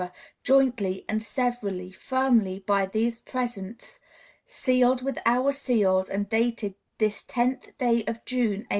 jointly and severally, firmly by these presents, sealed with our seals and dated this 10th day of June, 1806.